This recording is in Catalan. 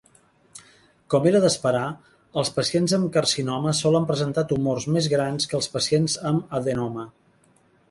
Com era d'esperar, els pacients amb carcinoma solen presentar tumors més grans que els pacients amb adenoma.